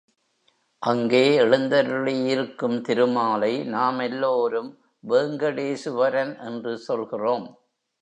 அங்கே எழுந்தருளியிருக்கும் திரு மாலை நாம் எல்லோரும் வேங்கடேசுவரன் என்று சொல்கிறோம்.